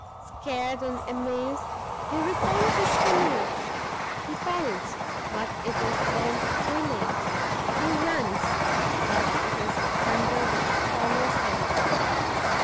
Scared and amazed, he repents his temerity; he calls, but it is then too late; he runs, but it is thunder which follows him!